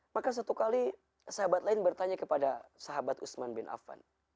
maka satu kali sahabat lain bertanya kepada sahabat usman bin afan